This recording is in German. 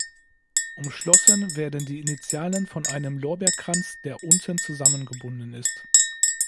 Umschlossen werden die Initialen von einem Lorbeerkranz, der unten zusammengebunden ist.